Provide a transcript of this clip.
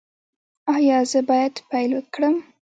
ایا زه باید پیل کړم؟